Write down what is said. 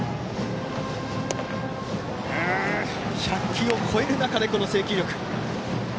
１００球を超える中でこの制球力。